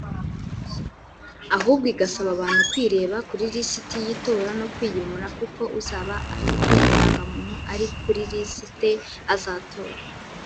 ahubwo igasaba abantu kwireba kuri lisiti y’itora no kwiyimura kuko uzaba afite indangamuntu ari kuri lisite azatora